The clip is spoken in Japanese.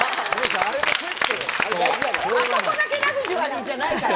あれもセットよ、あそこだけラグジュアリーじゃないから。